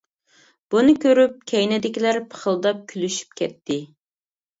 بۇنى كۆرۈپ كەينىدىكىلەر پىخىلداپ كۈلۈشۈپ كەتتى.